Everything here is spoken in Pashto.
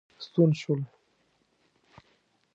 ستون شول.